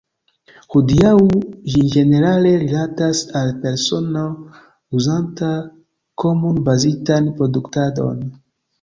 Hodiaŭ ĝi ĝenerale rilatas al persono uzanta komun-bazitan produktadon.